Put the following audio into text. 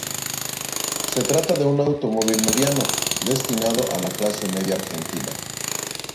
Se trata de un automóvil mediano, destinado a la clase media argentina.